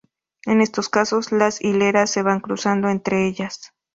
En estos casos, las hileras se van cruzando entre ellas.